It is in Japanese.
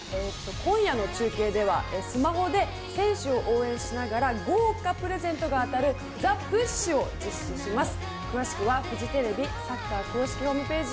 今夜の中継ではスマホで選手を応援しながら豪華プレゼントが当たるＴｈｅＰｕｓｈを実施します。